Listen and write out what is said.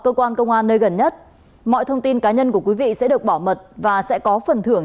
cơ quan công an nơi gần nhất mọi thông tin cá nhân của quý vị sẽ được bảo mật và sẽ có phần thưởng